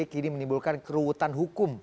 kini menimbulkan keruwutan hukum